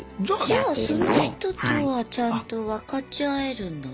じゃあその人とはちゃんと分かち合えるんだね。